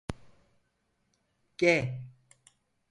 G